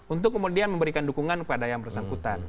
untuk kemudian memberikan dukungan kepada yang bersangkutan